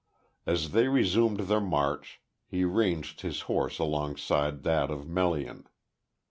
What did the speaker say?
As they resumed their march he ranged his horse alongside that of Melian.